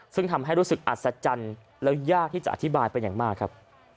ซึ่งทำให้รู้สึกอัศจรรย์แล้วยากที่จะอธิบายเป็นอย่างมากครับ